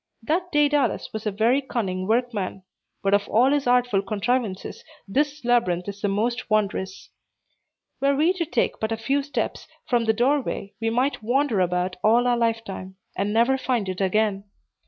That Daedalus was a very cunning workman; but of all his artful contrivances, this labyrinth is the most wondrous. Were we to take but a few steps from the doorway, we might wander about all our lifetime, and never find it again.